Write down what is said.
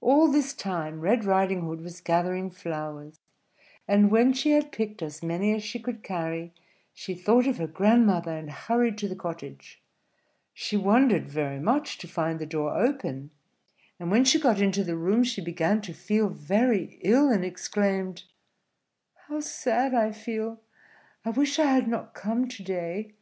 All this time Red Riding Hood was gathering flowers; and when she had picked as many as she could carry, she thought of her grandmother, and hurried to the cottage. She wondered very much to find the door open; and when she got into the room, she began to feel very ill, and exclaimed, "How sad I feel! I wish I had not come to day."